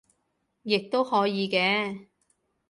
亦都可以嘅